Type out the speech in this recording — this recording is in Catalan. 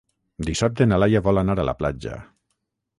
Dissabte na Laia vol anar a la platja.